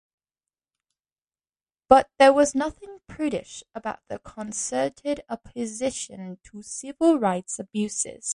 But there was nothing prudish about their concerted opposition to civil rights abuses.